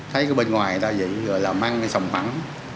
thấy cái bên ngoài người ta vậy rồi làm ăn thì sòng phẳng